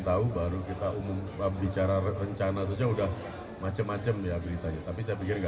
tahu baru kita umum bicara rencana saja udah macem macem ya beritanya tapi saya pikir